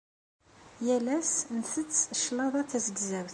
Yal ass nttett cclaḍa tazegzawt.